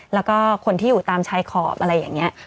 แล้วก็คนที่อยู่ตามชายขอบอะไรอย่างนี้